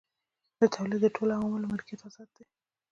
د تولید د ټولو عواملو ملکیت ازاد دی.